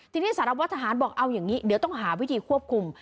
ทีนี้สารวัตทหารบอกเอาอย่างนี้เดี๋ยวต้องหาวิธีควบคุม